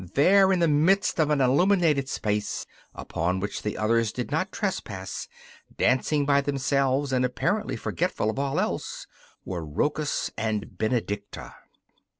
there, in the midst of an illuminated space, upon which the others did not trespass, dancing by themselves and apparently forgetful of all else, were Rochus and Benedicta!